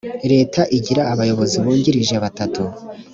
leta igira abayobozi bungirije batatu